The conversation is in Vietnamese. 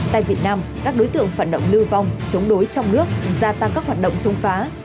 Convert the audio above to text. tại việt nam các đối tượng phản động lưu vong chống đối trong nước gia tăng các hoạt động chống phá